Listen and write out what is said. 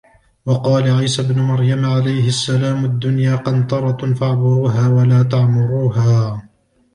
وَقَالَ عِيسَى ابْنُ مَرْيَمَ عَلَيْهِ السَّلَامُ الدُّنْيَا قَنْطَرَةٌ فَاعْبُرُوهَا وَلَا تَعْمُرُوهَا